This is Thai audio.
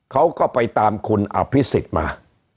เขาก็ไปตามคุณอภิษฎมา